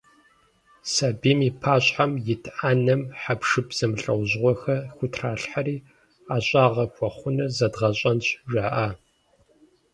Сабийм и пащхьэм ит Ӏэнэм хьэпшып зэмылӀэужьыгъуэхэр хутралъхьэри, «ӀэщӀагъэ хуэхъунур зэдгъэщӀэнщ» жаӀэ.